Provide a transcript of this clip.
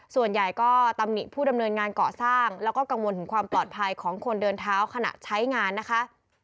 ส่วนใหญ่ก็ตำหนิผู้ดำเนินงานเกาะสร้างแล้วก็กังวลถึงความปลอดภัยของคนเดินเท้าขณะใช้งานนะคะ